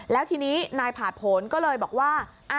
แล้วทีนี้นายผ่านผลก็เลยบอกว่า